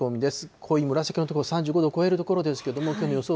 濃い紫色の所、３５度を超える所ですけれども、きょうの予想